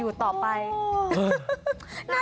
น่าเหตุใจคุณชนะ